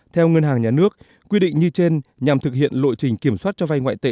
theo ngân hàng nhà nước quy định như trên nhằm thực hiện lộ trình kiểm soát cho vay ngoại tệ